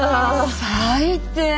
最低！